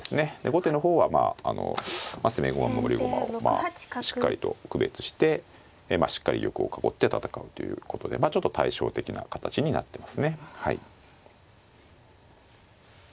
後手の方はまあ攻め駒守り駒をしっかりと区別してしっかり玉を囲って戦うということでちょっと対照的な形になってますね。